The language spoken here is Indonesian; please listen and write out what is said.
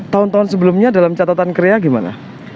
tahun tahun sebelumnya dalam catatan krea gimana